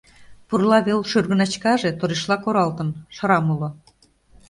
Пурла вел шӱргыначкаже торешла коралтын — шрам уло.